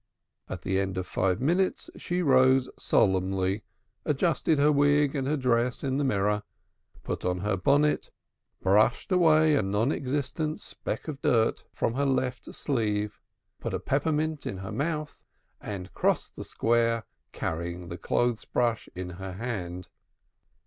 At the end of five minutes she rose solemnly, adjusted her wig and her dress in the mirror, put on her bonnet, brushed away a non existent speck of dust from her left sleeve, put a peppermint in her mouth, and crossed the Square, carrying the clothes brush in her hand.